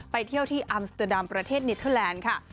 เที่ยวที่อัมสเตอร์ดัมประเทศนิเตอร์แลนด์ค่ะ